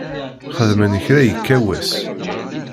Yexdem kra yekka wass.